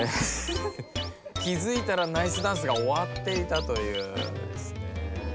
気づいたらナイスダンスがおわっていたという。